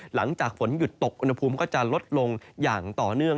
หลังจากฝนหยุดตกอุณหภูมิก็จะลดลงอย่างต่อเนื่อง